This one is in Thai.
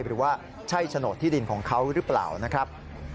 หรือว่าใช่โฉนดที่ดินของเขาหรือเปล่านะครับ